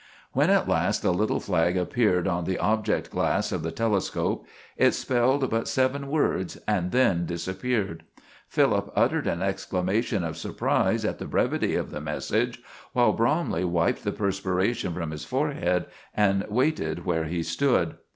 When at last the little flag appeared on the object glass of the telescope, it spelled but seven words and then disappeared. Philip uttered an exclamation of surprise at the brevity of the message, while Bromley wiped the perspiration from his forehead and waited where he stood.